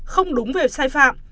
không đúng về sai phạm